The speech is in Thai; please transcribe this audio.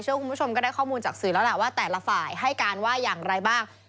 คุณผู้ชมก็ได้ข้อมูลจากสื่อแล้วล่ะว่าแต่ละฝ่ายให้การว่าอย่างไรบ้าง